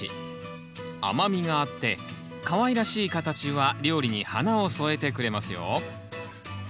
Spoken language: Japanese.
甘みがあってかわいらしい形は料理に花を添えてくれますよ